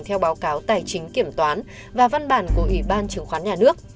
theo báo cáo tài chính kiểm toán và văn bản của ủy ban chứng khoán nhà nước